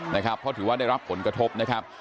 เพราะถือว่าได้รับผลกระทบนะครับ